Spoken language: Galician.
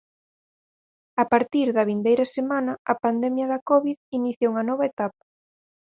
A partir da vindeira semana a pandemia da Covid inicia unha nova etapa.